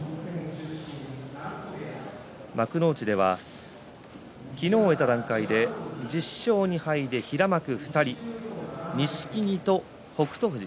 幕内では昨日、終えた段階で１０勝２敗で平幕２人錦木と北勝富士